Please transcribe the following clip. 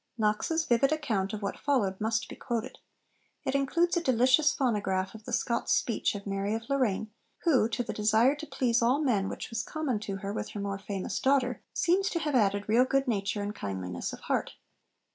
Knox's vivid account of what followed must be quoted. It includes a delicious phonograph of the Scots speech of Mary of Lorraine, who, to the desire to please all men which was common to her with her more famous daughter, seems to have added real good nature and kindliness of heart.